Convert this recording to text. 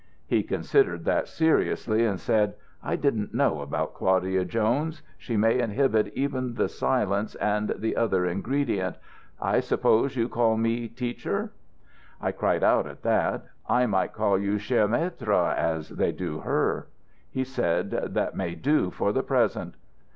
"He considered that seriously and said, 'I didn't know about Claudia Jones; she may inhibit even the silence and the other ingredient. I suppose you call me Teacher.' "I cried out at that. 'I might call you cher maître, as they do her.' "He said, 'That may do for the present.'